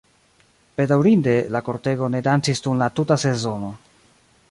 Bedaŭrinde, la kortego ne dancis dum la tuta sezono.